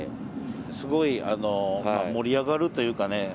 すごい盛り上がるというかね。